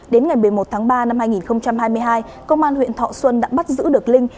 đến ngày một mươi một tháng ba năm hai nghìn hai mươi hai công an huyện thọ xuân đã bắt giữ được linh